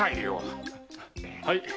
はい。